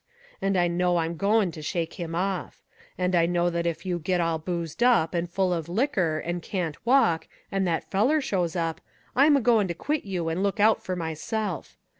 And I know I'm goin' to shake him off. And I know that if you get all boozed up, and full of liquor, and can't walk, and that feller shows up, I'm a goin' to quit you and look out for myself.